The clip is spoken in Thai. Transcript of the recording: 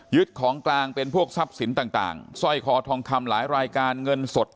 ของกลางเป็นพวกทรัพย์สินต่างสร้อยคอทองคำหลายรายการเงินสด